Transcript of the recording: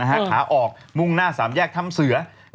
ขาออกมุ่งหน้า๓แยกถ้ำเสือ